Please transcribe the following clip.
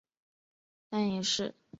但是他的死因依然是争议。